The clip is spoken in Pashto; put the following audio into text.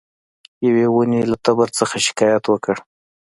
یوې ونې له تبر څخه شکایت وکړ.